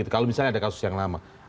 kalau misalnya ada kasus yang lama